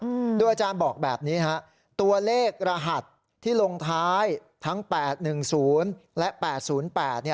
อืมโดยอาจารย์บอกแบบนี้ฮะตัวเลขรหัสที่ลงท้ายทั้งแปดหนึ่งศูนย์และแปดศูนย์แปดเนี้ย